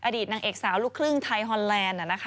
อดีตนางเอกสาวลูกครึ่งไทยฮอนแลนด์